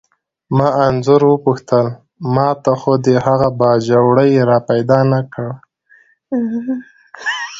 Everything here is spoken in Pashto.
ما انځور وپوښتل: ما ته خو دې هغه باجوړی را پیدا نه کړ؟